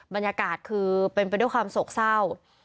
บรรยากาศคือเป็นไปด้วยความโศกเศร้า